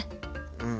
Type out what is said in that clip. うん。